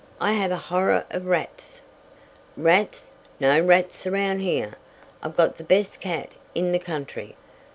I have a horror of rats." "Rats! No rats around here. I've got the best cat in the country.